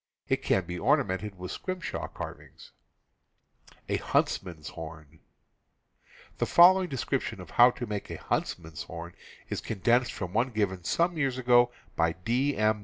It can be ornamented with scrimshaw carvings. The following description of how to make a hunts man's horn is condensed from one given some years ago by D. M.